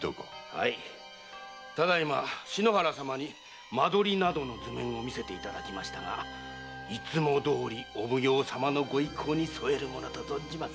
はい篠原様に間取り等の図面を見せていただきましたがいつもどおりお奉行様のご意向に添えるものと存じます。